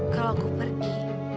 kalau aku pergi